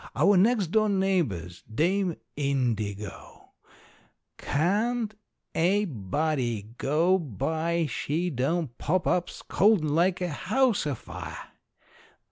Our next door neighbor's Dame Indigo. Can't a body go by she don't pop up scoldin' like a house afire.